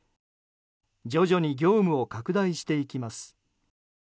徐々に業務を拡大していきます。